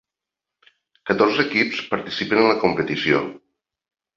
Catorze equips participaren en la competició.